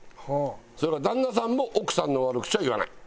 それから旦那さんも奥さんの悪口は言わない。